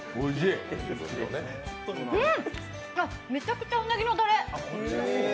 うん、めちゃくちゃうなぎのたれ。